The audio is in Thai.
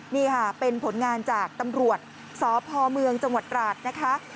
นี่ค่ะเป็นผลงานจากตำรวจสพเมืองจังหวัดตราดนะคะ